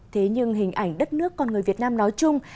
thế nhưng hình ảnh đất nước con người việt nam nói chung